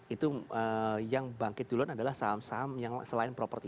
itu yang bangkit duluan adalah saham saham yang selain properti